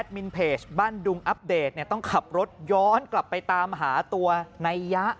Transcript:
มินเพจบ้านดุงอัปเดตต้องขับรถย้อนกลับไปตามหาตัวนายยะ